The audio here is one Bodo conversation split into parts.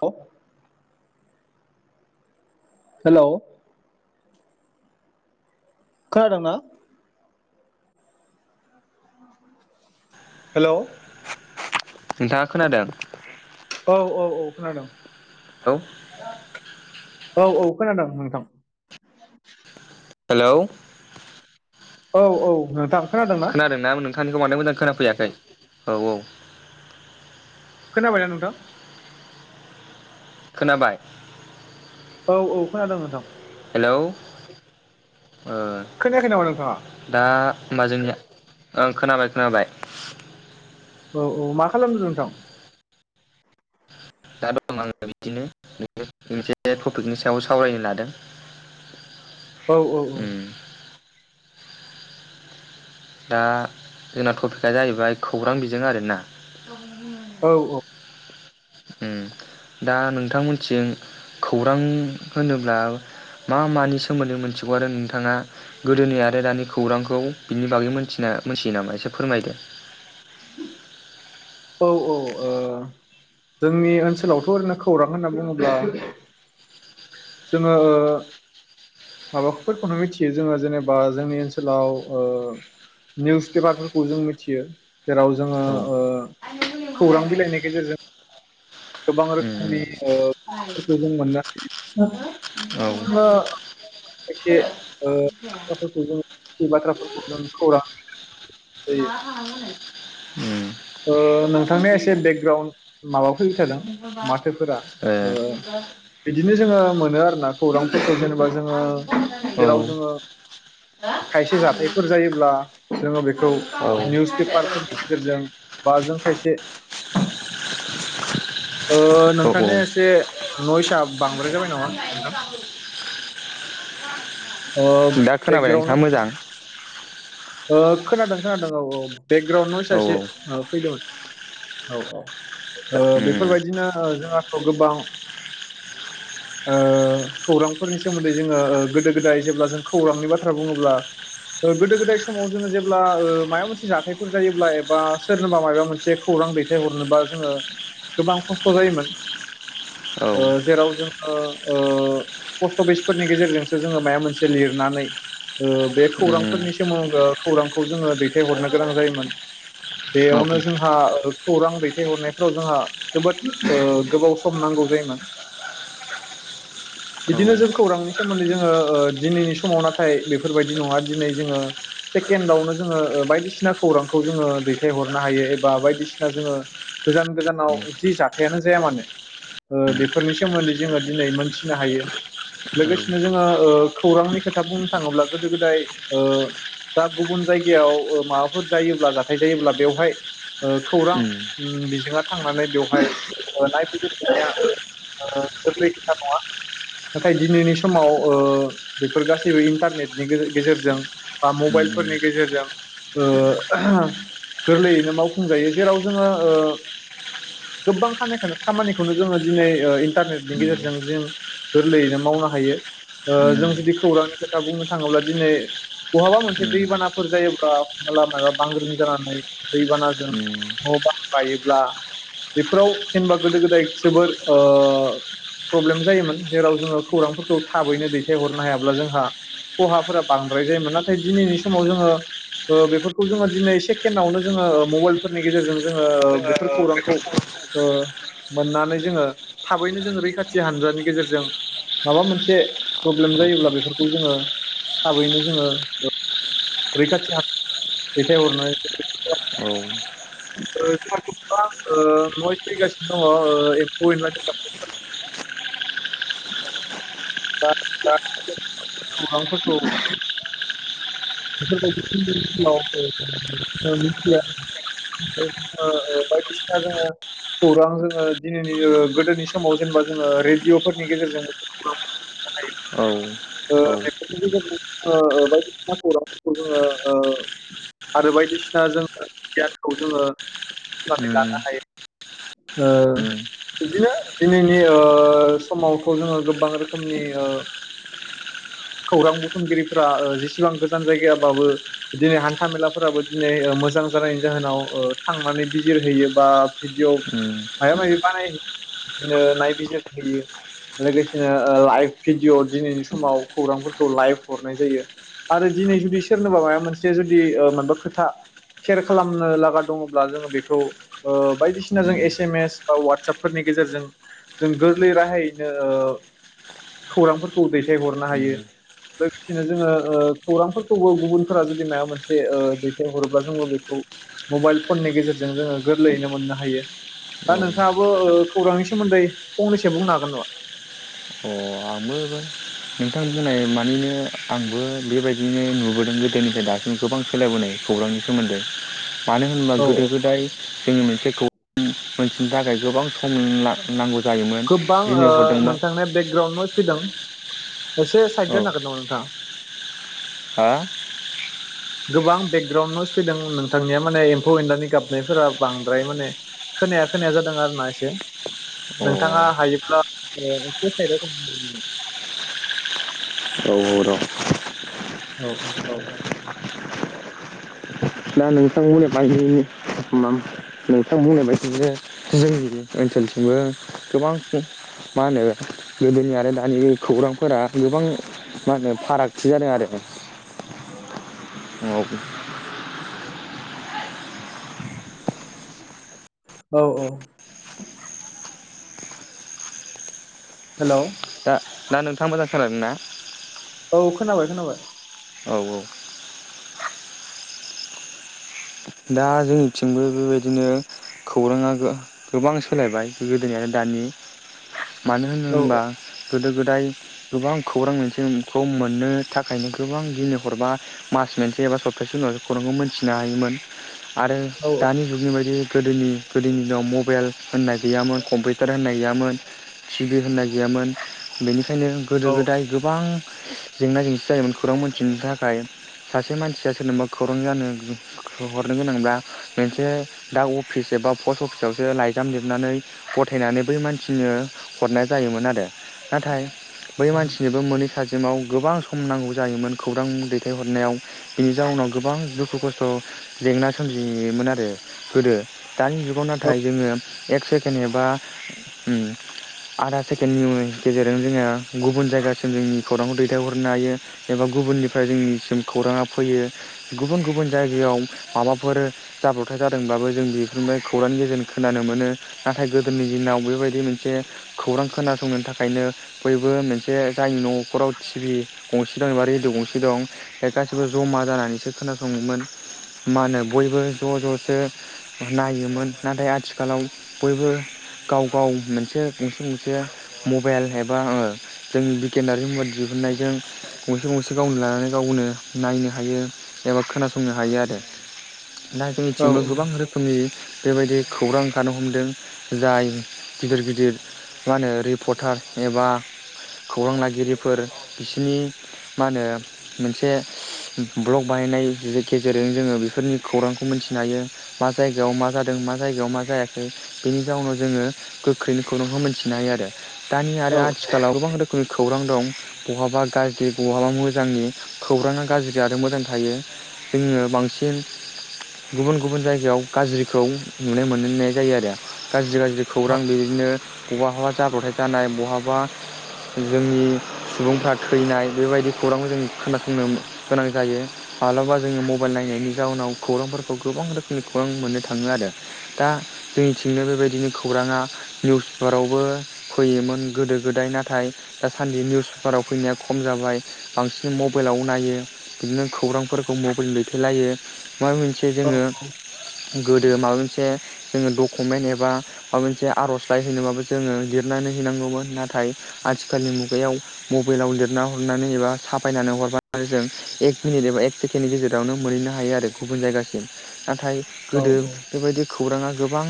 औ हेलौ खोनादोंना हेलौ नोंथाङा खोनादों औ औ औ खोनादों औ औ औ खोनादों नोंथां हेलौ औ औ नोंथां खोनादोंना? खोनादों ना नों थांनिखौ मानो मोजां खोनाफैयाखै औ औ खोनाबायना नोंथां? खोनाबाय औ औ खोनादों नोंथां हेलौ ओ खोनायाखै नामा नोंथाङा? दा होमबा जोंनिया ओं खोनाबाय खोनाबाय औ औ मा खालामदों नोंथां? दा दं आङो बिदिनो मोनसे टपिकनि सायाव सावरायनो लादों। औ औ औ। उम दा जोंना टपिकआ जाहैबाय खौरां बिजों आरोना। औ औ। ओम दा नोंथांमोनथिं खौरां होनोब्ला मा मानि सोमोन्दै मोनथिगौ आरो नोंथाङा गोदोनि आरो दानि खौरांखौ बिनि बागै मोनथिना मोनथियो नामा एसे फोरमायदो। औ औ ओ जोंनि ओनसोलावथ' ओरैनो खौरां होनना बुङोब्ला जोङो ओ माबाफोरखौनो मिथियो जोङो जेनेबा जोंनि ओनसोलाव ओ निउस पेपारफोरखौ जों मिथियो जेराव जोङो औ ओ खौरां बिलाइनि गेजेरजों। गोबां औ रोखोमनि ओ फोरखौ जों मोननो हायो औ हो खायसे ओ खोथाफोरखौ जों मिथियि बाथ्राफोरखौ जों खौरां जायो। ओ नोंथांनिया एसे बेकग्राउन्ड माबा फैबाय थादों माथ थोफोरा ओ बिदिनो जोङो मोनो आरोना खौरांफोरखौ जेनेबा जोङो जेराव जोङो। खायसे जाथायफोर जायोब्ला जोङो बेखौ औ निउस पेपारफोरनि गेजेरजों। बा जों खायसे ओ नोंथांनि एसे नयसआ बांद्राय जाबाय नामा नोंथां। अ दा खोनाबाय बेकग्राउन्ड नोंथाङा आ मोजां ओ खोनादों खोनादों औ औ बेकग्राउन्ड नइसा औ एसे। फैदोमोन। औ-औ ओ उम बेफोरबायदिनो ओ जोंहा खौ गोबां ओ खौरांफोरनि सोमोन्दै जोङो ओ गोदो गोदाय जेब्ला जों खौरांनि बाथ्रा बुङोब्ला ओ गोदो गोदाय समाव जोङो जेब्ला ओ माबा मोनसे जाथायफोर जायोब्ला एबा सोरनोबा मायबा मोनसे खौरां दैथाय हरनोबा जोङो गोबां खस्थ' जायोमोन औ ओ जेराव जोङो ओ पस्ट अफिसफोरनि गेजेरजोंसो जोङो माइबा मोनसे लिरनानै ओ बे उम खौरांफोरनि सोमोन खौरांखौ जोङो दैथायहरनो गोनां जायोमोन। औ बेयावनो जोंहा खौरां दैथायहरनायफ्राव जोंहा जोबोद ओ गोबाव सम नांगौ जायोमोन उम औ बिदिनो जों खौरांनि सोमोन्दै जोङो ओ दिनैनि समाव नाथाय बेफोरबायदि नङा दिनै जोङो सेकेणडआवनो जोङो ओ बायदिसिना खौरांखौ जोङो दैथ हरनो हायो एबा बायदिसिना जोङो गोजान गोजानाव जि जाथायानो जाया मानो ओ बेफोरनि सोमोन्दै जोङो दिनै मोनथिनो हायो उम लोगोसेनो जोङो ओ खौरांनि खोथा बुंनो थाङोब्ला गोदो गोदाय ओ दा गुबुन जायगायाव ओ माबाफोर जायोब्ला जाथाय जायोब्ला बेवहाय ओ खौरां बिजोङा थांनानै बेवहाय नायफैजिरफैनाय ओ गोरलै खोथा नङा नाथाय दिनैनि समाव ओ बेफोर गासैबो इन्टारनेटनि गेजेरजों बा उम उम उम मबाइलफोरनि गेजेरजों ओ गोरलैयैनो मावफुंजायो जेराव जोङो ओ गोबां खानायखोनो खामानिखौनो जोङो दिनै ओ इन्टारनेटनि गेजेरजों जों गोरलैयैनो मावनो हायो। ओ जों जुदि खौरांनि खोथा बुंनो थाङोब्ला दिनै बहाबा मोनसे उम दैबानाफोर जायोब्ला हमना ला बांग्रिं जनानै दैबानाजों उम न'बां बायोब्ला बेफोराव जेनबा गोदो गोदाय जोबोर ओ प्रब्लेम जायोमोन जेराव जोङो खौरांफोरखौ थाबैनो दैथाय हरनो हायाब्ला जोंहा खहाफोरा बांद्राय जायोमोन नाथाय दिनैनि समाव जोङो ओ बेफोरखौ जोङो ओ दैनै से केण्डआवनो जोङो मबाइलफोरनि गेजेरजों जोङो ओ औ बेफोर औ औ उम खौरांखौ ओ मोननानै जोङो थाबैनो जोङो रैखाथि हानजानि गेजेरजों माबा मोनसे प्रब्लेम जायोब्ला बेफोरखौ जोङो थाबैनो जोङो रैखाथि हा दैथाय हरनो [unintelligible] [unintelligible] नयेस फैगासिनो दङ ओ एम्फौ एनलानि गाबनाय [unintelligible] खौरांफोरखौ बेफोरबायदि [unintelligible] मिथिया ओ बायदिसिना जोङो खौरां जोङो दिनैनि ओ गोदोनि समाव जेनेबा जोङो रेडिअ'फोरनि गेजेरजोंबो खौरांफोरखौ मोननो हायोमोन ओ बेफोरनि गेजेरजों ओ बायदि खौरांफोरखौ जोङो ओ आरो बायदिसिना जोङो गियानखौ जोङो [unintelligible] नानै लानो हायो। ओ बिदिनो दिनैनि समाव ओ जोङो गोबां रोखोमनि ओ खौरां बुथुमगिरिफ्रा जिसिबां गोजान जायगायाबाबो दिनै हान्थाामेलाफोराबो दिनै मोजां जानायनि जाहोनाव ओ थांनानै बिजिरहयो बा भिडिअ' मायबा मायबि बानाययो बिदिनो नायबिजिरहैयो लोगोसेनो ओ लाइभ भिडिअ दिनैनि समाव खौरांफोरखौ लाइभ हरनाय जायो। आरो दिनै जुदि सोरनोबा माबा मोनसे जुदि ओ माबा खोथा सेयार खालामनो लागा दङब्ला जोङो बेखौ ओ बायदिसिना जों एस उम एम एस बा वाटसापफोरनि गेजेरजों जों गोरलै राहायैनो ओ खौरांफोरखौ दैथायहरनो उम हायो लोगोसेनो जोङो ओ खौरांफोरखौबो गुबुनफोरा जुदि मायबा मोनसे ओ दैथायहरोब्ला जोङो बेखौ मबाइल फननि गेजेरजों जोङो गोरलैयैनो मोननो हायो दा उम औ नोंथाङाबो ओ खौरांनि सोमोन्दै फंनैसो बुंनो हागोन नामा? अ आंबो नोंथां बुंनाय मानिनो आंबो बेबायदिनो नुबोदों गोदोनिफ्राय दासिम गोबां सोलायबोनाय खौरांनि सोमोन्दै। मानो होनोबा औ औ गोदो गोदाय जोंनि मोनसे खौ मोनथिनो थाखाय गोबां सम नां-नांगौ गोबां ओ नोंथांनि बेकग्राउन्डआव नयेस फैदों। एसे साइद औ जानो हागोन‌ नामा नोंथाङा? हा गोबां बेकग्राउन्ड नयेस फैदों नोंथांनिया माने एम्फौ एनलानि गाबनायफोरा बांद्राय माने खोनाया खोनाया जादों आरो ना एसे अ नोंथाङा औ हायोब्ला एसे ओ साइदआव [unintelligible] औ र' औ औ औ दा नोंथां बुंनाय बादियैनो नोंथां बुंनाय बायदिनो जोंनि ओनसोलथिंबो गोबां मा होनो गोदोनि आरो दानि खौरांफोरा गोबां मा होनो फारागथि जादों आरो। औ औ औ हेलौ दा दा नोंथाङा मोजां खोनादों ना? औ खोनाबाय खोनाबाय। औ औ। दा जोंनिथिंबो बेबायदिनो खौराङा गो-गोबां सोलायबाय गोदोनि आरो दानि। मानो औ होन-होनबा गोदो गोदाय गोबां खौरां मोनसेखौ मोननो थाखायनो गोबां दिनै हरबा मास मोनसे एबा सप्तासे उनावसो खौरांखौ मोनथिनो हायोमोन। आरो औ दानि जुगनि बायदि गोदोनि गोदोनि दिनाव मबेल होननाय गैयामोन कम्पिटार होननाय गैयामोन टिभि होननाय गैयामोन बेनि खायनो गोदो औ गोदाय गोबां जेंना जेंसि जायोमोन खौरां मोनथिनो थाखाय सासे मानसिया सोरनोबा खौरां जानो हरनो गोनांब्ला मोनसे दा अफिस एबा पस्ट अफिसावसो लाइजाम लिरनानै गथायनानै बै मानसिनो हरनाय जायोमोन आरो। नाथाय बै औ मानसिनिबो मोनहै थाजिमाव गोबां सम नांगौ जायोमोन खौरां दैथायहरनायाव बिनि जाउनाव गोबां दुखु खस्थ' जेंना सोमजियोमोन आरो गोदो। दानि जुगाव नाथाय जोङो एक सेकेण्ड एबा उम आधा सेकेण्डनि गेजेरजों जोङो गुबुन जायगासिम जोंनि खौरांखौ दैथायहरनो हायो एबा गुबुननिफ्राय जोंनिसिम खौराङा फैयो गुबुन गुबुन जायगायाव माबाफोर जाब्र'बथाय जादोंब्लाबो जों बेफोरनिफ्राय खौरांनि गेजेरजों खोनानो मोनो। नाथाय गोदोनि दिनाव बेबायदि मोनसे खौरां खोनासंनो थाखायनो बयबो मोनसे बे जाय न' खराव टिभि गंसे दं एबा रेदिअ' गंसे दं बे गासिबो जमा जानानैसो खोनासङोमोन। मा होनो बयबो ज' ज' सो नायोमोन नाथाय आथिखालाव बयबो गाव गाव मोनसे गंसे गंसे मबाइल एबा ओ जोंनि बिगियानारि मबाइल दिहुनन्नायजों गंसे गंसे गावनो लानानै गावनो नायनो हायो एबा खोनासंनो हायो आरो‌ दा औ जोंनिथिंबो गोबां रोखोमनि बेबायदि खौरां ओंखारनो हमदों जाय गिदिर गिदिर मा होनो रिपर्टार एबा खौरां लागिरिफोर बिसिनि मा होनो मोनसे ब्लक बानायनाय गेजेरजों जोङो बेफोरनि खौरांखौ मिथिनो हायो मा जायगायाव मा जादों मा जायगायाव मा जाया खै बेनि जाउनाव जोङो गोख्रैनो खौरांखौ मिथिनो हायो आरो दानि आरो औ आथिखालाव गोबां रोखोमनि खौरां दं बहाबा गाज्रि बहाबा मोजांनि खौरां आ गाज्रि आरो मोजांनि थायो जोङो बांसि सिन गुबुन गुबुन जायगायाव गाज्रिखौ नुनो मोननाय जायो आरो गाज्रि गा ज्रि खौरां बिदिनो बबा बबा जाब्रबथाय जानाय बहाबा जोंनि सुबुंफ्रा थैनाय बेबायदि खौरांखौ जों खोनासंनो गोनां जायो माब्लाबा जोङो मबाइल नायनाय नि जाउनाव खौरांफोरखौ गोबां रोखोमनि खौरां मोननो थाङो आरो दा जोंनिथिंनो बेबायदिनो खौराङा निउस पेपाराव बो फैयोमोन गोदो गोदाय नाथाय दासान्दि निउस पेपाराव फैनाया खम जाबाय बांसिन मबाइलाव नायो बिदिनो खौरांफोरखौ मबाइल लेथेलायो माबा मोनसे औ जोङो गोदो माबा मोनसे जोङो डकुमेन्ट एबा माबा मोनसे आर'जलाइ हैनोबाबो जोङो लिरनानै हैनांगौमोन नाथाय आथिखालनि मुगायाव मबाइलाव लिरना हरनानै एबा साफायनानै हरबानो जों एक मिनिट एबा एक सेकेणडनि गेजेरावनो मोनहैनो ह हायो आरो गुबुन जायगासिम नाथाय औ गोदो बेबायदि खौराङा गोबां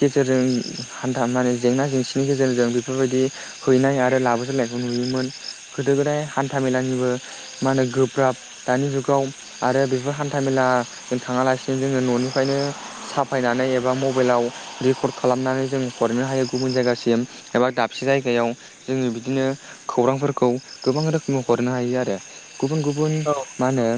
गेजेरजों हान्था माने जेंना जेंसिनि गेजेरजों बेफोरबायदि हैनाय आरो लाबोजोननायखौ नुयोमोन गोदो गोदाय हान्थाामेलानिबो मा होनो गोब्राब दानि जुगाव आरो बे बो हान्था मेलाजों थाङालासिनो जोङो न'निफ्रायनो साफायनानै एबा मबाइलाव रेकर्ड खालामनानै जों हरनो हायो गुबुन जायगासिम एबा दाबसे जायगायाव जोङो बिदिनो खौरांफोरखौ गोबां रोखोमै हरनो हायो आरो गुबुन गुबुन मा होनो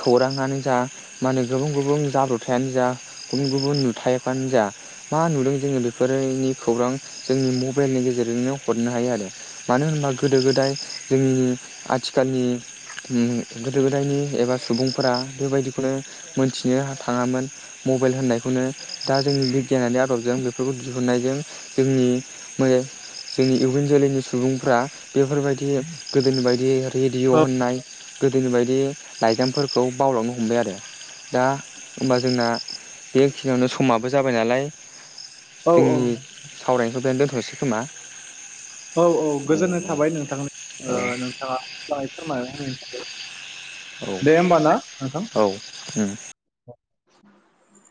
खौराङानो जा माने गुबुन गुबुन जाब्रबथायानो जा गुबुन गुबुन नुथायफ्रानो जा मा नुदों जोङो बेफोरनि खौरां जोंनि मबाइलनि गेजेरजोंनो हरनो हायो आरो मानो होनबा गोदो गोदाय जोंनि आथिखालनि गोदो गोदायनि एबा फोरा बेबायदिखौनो मोनथिनो थाङामोन मबाइल होननायखौनो दा जोंनि बिगियानारि आदबजों बेफोरखौ दिहुननायजों जोंनि जोंनि इयुन जोलैनि सुबुंफ्रा बेफोरबायदि गोदोनि बायदि रेडिय' औ होननाय गोदोनि बायदि फोरखौ बावलावनो हमबाय आरो दा होमबा जोंना बे खिनियावनो समाबो जाबाय नालाय औ औ जोंनि सावराय बेहायनो दोनथ'सै खोमा। औ औ गोजोननाय थाबाय नोंथांनि नोंथाङा मा फोरमाय [inaudible] औ औ। [inaudible]